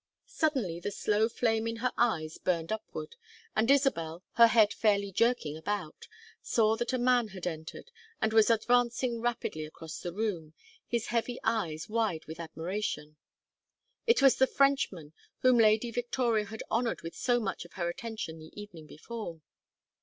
Suddenly the slow flame in her eyes burned upward, and Isabel, her head fairly jerking about, saw that a man had entered and was advancing rapidly across the room, his heavy eyes wide with admiration. It was the Frenchman whom Lady Victoria had honored with so much of her attention the evening before.